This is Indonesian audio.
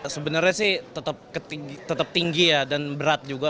sebenarnya sih tetap tinggi ya dan berat juga